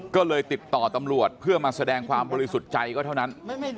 ก็เลยติดต่อตำรวจเพื่อมาแสดงความบริสุทธิ์ใจก็เท่านั้น